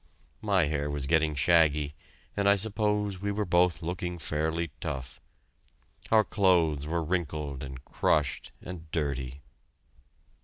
My hair was getting shaggy, and I suppose we were both looking fairly tough. Our clothes were wrinkled and crushed and dirty.